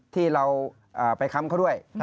ที่เราไปค้ำเขาด้วย